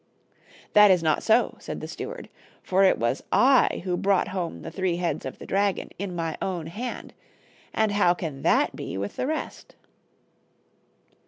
" That is not so," said the steward, " for it was I who brought home the three heads of the dragon in my own hand, and how can that be with the rest?"